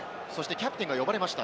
キャプテンが呼ばれました